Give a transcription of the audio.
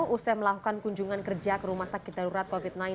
usai melakukan kunjungan kerja ke rumah sakit darurat covid sembilan belas